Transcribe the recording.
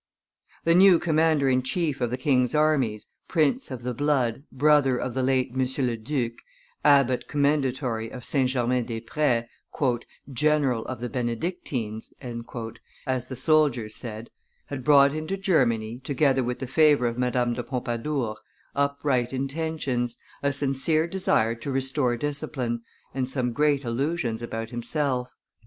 The new commander in chief of the king's armies, prince of the blood, brother of the late Monsieur le Duc, abbot commendatory of St. Germain des Pres, "general of the Benedictines,", as the soldiers said, had brought into Germany, together with the favor of Madame de Pompadour, upright intentions, a sincere desire to restore discipline, and some great illusions about himself.